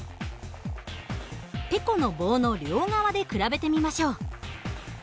てこの棒の両側で比べてみましょう。